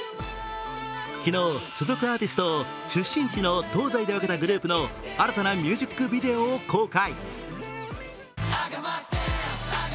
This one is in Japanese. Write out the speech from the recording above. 昨日、所属アーティストを出身地の東西で分けたグループの新たなミュージックビデオを公開。